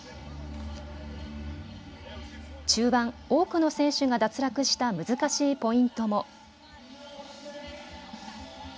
中盤、多くの選手が脱落した難しいポイントも。